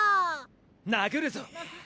殴るぞ。